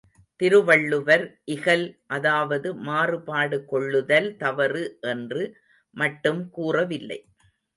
திருவள்ளுவர் இகல் அதாவது மாறுபாடு கொள்ளுதல் தவறு என்று மட்டும் கூறவில்லை.